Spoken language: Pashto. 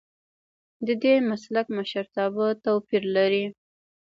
ددې مسلک مشرتابه توپیر لري.